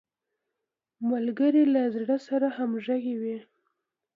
ملګری له زړه سره همږغی وي